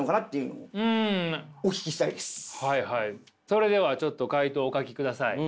それではちょっと回答をお書きください。